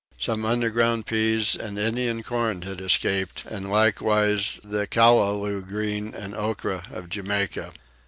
Some underground peas and Indian corn had escaped, and likewise the caliloo green and ocra of Jamaica.